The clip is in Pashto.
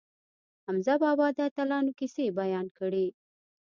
حمزه بابا د اتلانو کیسې بیان کړې.